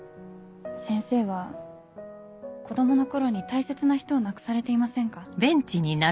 先生は子供の頃に大切な人を亡くされていませんか？